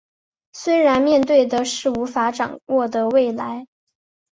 虽然面对的是无法掌握的未来